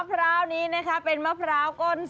มะพร้าวนี้นะคะเป็นมะพร้าวก้นสาวค่ะ